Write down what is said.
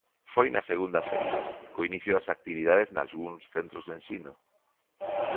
Foi na segunda feira, co inicio das actividades nalgúns centros de ensino.